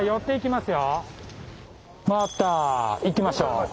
回ったいきましょう。